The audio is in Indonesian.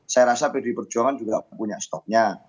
saya rasa pdi perjuangan juga punya stoknya